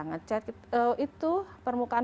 ngecat itu permukaan